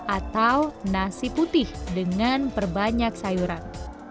atau nasi putih dengan perbanyak sayuran